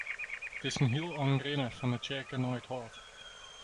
It is in hiel ein rinnen fan de tsjerke nei it hôf.